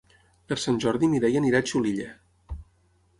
Per Sant Jordi na Mireia anirà a Xulilla.